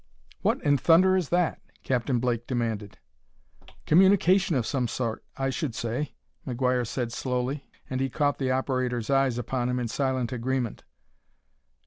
"What in thunder is that?" Captain Blake demanded. "Communication of some sort, I should say," McGuire said slowly, and he caught the operator's eyes upon him in silent agreement.